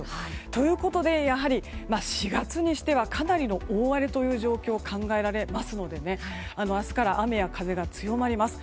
ということでやはり４月にしてはかなりの大荒れという状況が考えられますので明日から雨や風が強まります。